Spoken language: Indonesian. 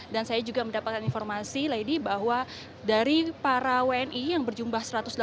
dan saya juga mendapatkan informasi lady bahwa dari para wni yang berjumpa satu ratus delapan puluh delapan